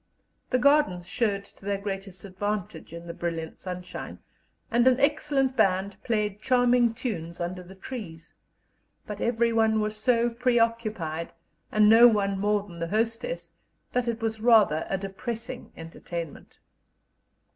The gardens showed to their greatest advantage in the brilliant sunshine, and an excellent band played charming tunes under the trees; but everyone was so preoccupied and no one more than the hostess that it was rather a depressing entertainment.